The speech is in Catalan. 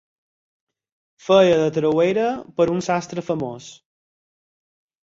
Feia de trauera per a un sastre famós.